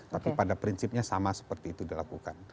tapi pada prinsipnya sama seperti itu dilakukan